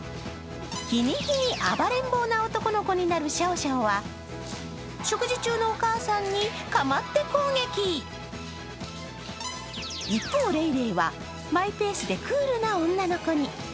日に日に暴れん坊な男の子になるシャオシャオは食事中のお母さんに、かまって攻撃一方、レイレイはマイペースでクールな女の子に。